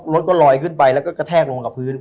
รถก็ลอยขึ้นไปแล้วก็กระแทกลงกับพื้น